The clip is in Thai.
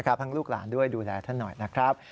ลูกหลานด้วยดูแลท่านหน่อยนะครับ